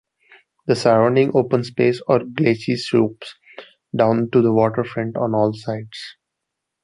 The surrounding open space or glacis slopes down to the waterfront on all sides.